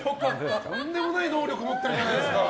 とんでもない能力持ってるじゃないですか。